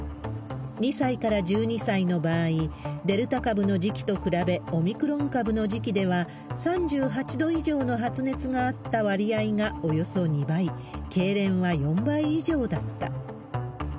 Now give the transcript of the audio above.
２歳から１２歳の場合、デルタ株の時期と比べ、オミクロン株の時期では、３８度以上の発熱があった割合がおよそ２倍、けいれんは４倍以上だった。